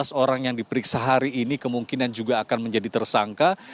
tujuh belas orang yang diperiksa hari ini kemungkinan juga akan menjadi tersangka